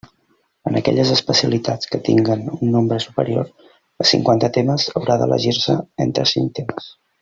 En aquelles especialitats que tinguen un nombre superior a cinquanta temes, haurà d'elegir-se entre cinc temes.